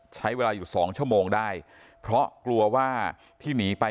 ใช้เวลาอยู่สองชั่วโมงได้เพราะกลัวว่าที่หนีไป